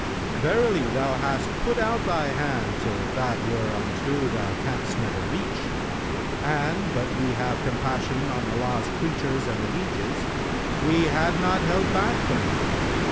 Verily, thou hast put out thy hand to that whereunto thou canst never reach; and, but that we have compassion on Allah's creatures and the lieges, we had not held back from thee.